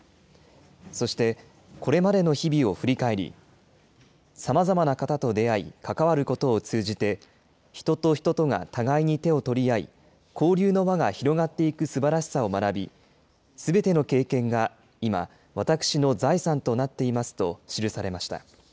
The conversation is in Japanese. そしてこれまでの日々を振り返り、さまざまな方と出会い、関わることを通じて、人と人とが互いに手を取り合い、交流の輪が広がっていくすばらしさを学び、すべての経験が今、私の財産となっていますと記されました。